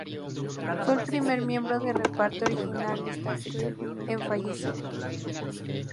Fue el primer miembro del reparto original de "Star Trek" en fallecer.